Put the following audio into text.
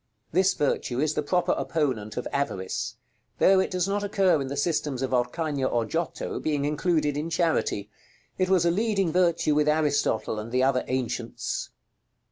This virtue is the proper opponent of Avarice; though it does not occur in the systems of Orcagna or Giotto, being included in Charity. It was a leading virtue with Aristotle and the other ancients.